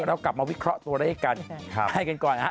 เรากลับมาวิเคราะห์ตัวด้วยกันให้กันก่อนสวัสดีค่ะ